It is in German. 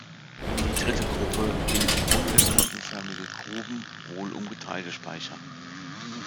Die dritte Gruppe bilden runde glockenförmige Gruben, wohl um Getreidespeicher.